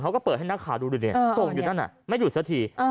เขาก็เปิดให้หน้าขาดูดูเนี่ยส่งอยู่ด้านนั้นไม่หยุดสักที